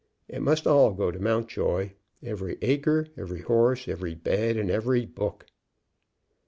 It must all go to Mountjoy, every acre, every horse, every bed, and every book."